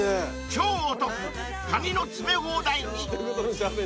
［超お得カニの詰め放題に］